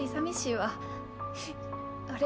あれ？